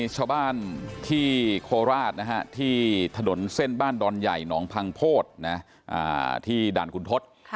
ชาวบ้านที่โคราชที่ถนนเส้นบ้านดอนใหญ่หนองพังโพธิที่ด่านคุณทศ